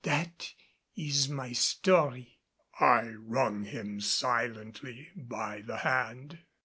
That is my story." I wrung him silently by the hand.